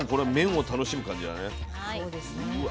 うわ！